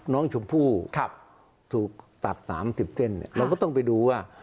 น้องชมพู่ถูกตัด๓๐เส้นเราก็ต้องไปดูว่า